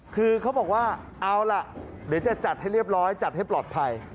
คือเขาบอกว่าเอาล่ะเดี๋ยวจะจัดให้เรียบร้อยจัดให้ปลอดภัย